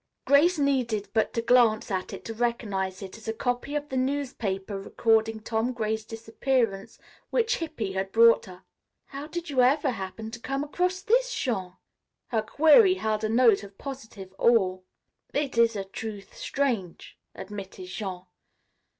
Grace needed but to glance at it to recognize it as a copy of the newspaper recording Tom Gray's disappearance, which Hippy had brought her. "How did you ever happen to come across this, Jean?" Her query held a note of positive awe. "It is of a truth strange," admitted Jean.